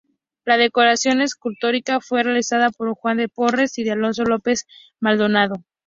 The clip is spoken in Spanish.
La decoración escultórica fue realizada por Juan de Porres y de Alonso López Maldonado.